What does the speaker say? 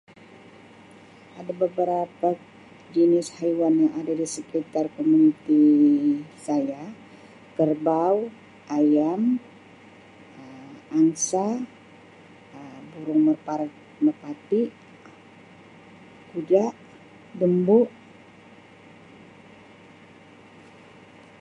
Ada beberapa jinis haiwan yang ada di sekitar komuniti saya, kerbau, ayam Um angsa, Um burung mepar-merpati, kuda, lembu.